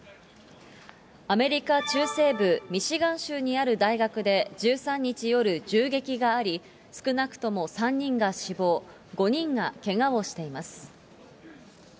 アメリカ中西部ミシガン州にある大学で１３日夜、銃撃があり、少なくとも３人が死亡、５人がけがをしています。